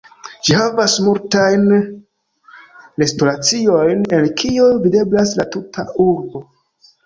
Ĝi havas multajn restoraciojn, el kiuj videblas la tuta urbo.